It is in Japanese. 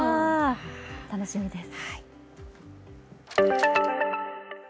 楽しみです。